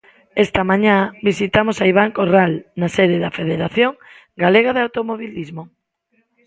Esta mañá visitamos a Iván Corral na sede da Federación Galega de Automobilismo.